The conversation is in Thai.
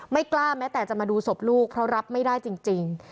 ไม่กล้าแม้แต่จะมาดูศพลูกเพราะรับไม่ได้จริง